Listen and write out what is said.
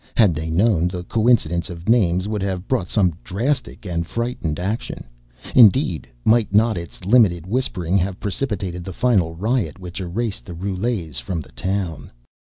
Had they known, the coincidence of names would have brought some drastic and frightened action indeed, might not its limited whispering have precipitated the final riot which erased the Roulets from the town?